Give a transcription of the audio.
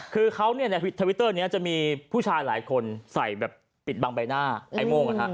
คือเขาเนี่ยในทวิตเตอร์นี้จะมีผู้ชายหลายคนใส่แบบปิดบังใบหน้าไอ้โม่ง